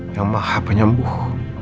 yang maha penyembuh